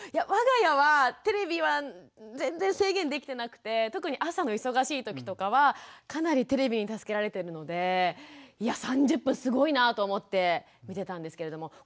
わが家はテレビは全然制限できてなくて特に朝の忙しい時とかはかなりテレビに助けられてるのでいや３０分すごいなと思って見てたんですけれども。